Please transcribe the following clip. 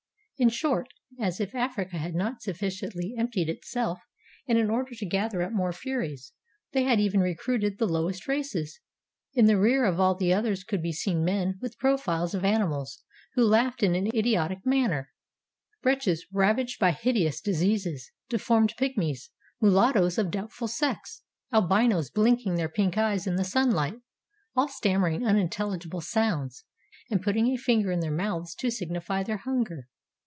In short, as if Africa had not sufficiently emptied itself, and in order to gather up more furies, they had even re cruited the lowest races: in the rear of all the others could be seen men with profiles of animals, who laughed in an idiotic manner, wretches ravaged by hideous dis eases, deformed pygmies, mulattoes of doubtful sex, albinos bhnking their pink eyes in the sunhght, — all stammering unintelligible sounds, and putting a finger in their mouths to signify their hunger.